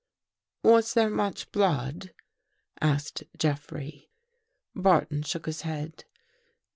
"Was there much blood?" asked Jeffrey. Barton shook his head.